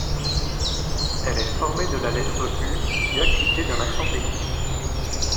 Elle est formée de la lettre U diacritée d’un accent aigu.